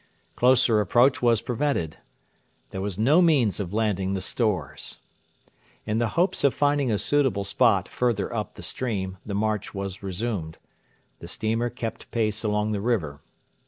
Closer approach was prevented. There was no means of landing the stores. In the hopes of finding a suitable spot further up the stream the march was resumed. The steamer kept pace along the river.